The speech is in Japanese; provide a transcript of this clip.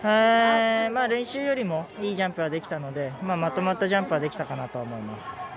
練習よりもいいジャンプができたのでまとまったジャンプができたかなとは思います。